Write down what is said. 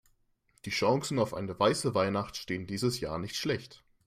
Die Chancen auf eine weiße Weihnacht stehen dieses Jahr nicht schlecht.